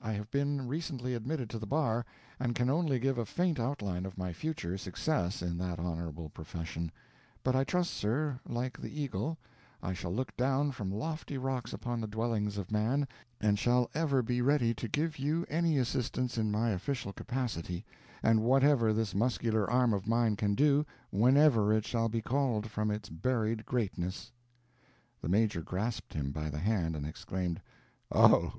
I have been recently admitted to the bar, and can only give a faint outline of my future success in that honorable profession; but I trust, sir, like the Eagle, I shall look down from lofty rocks upon the dwellings of man, and shall ever be ready to give you any assistance in my official capacity, and whatever this muscular arm of mine can do, whenever it shall be called from its buried greatness." The Major grasped him by the hand, and exclaimed: "O!